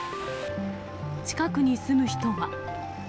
近くに住む人は。